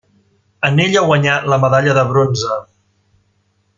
En ella guanyà la medalla de bronze.